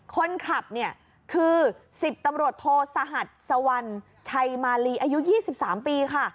คนขับเนี่ยคือ๑๐ตำรวจโทสหัสสวรรณชัยมาลีอายุ๒๓ปีค่ะ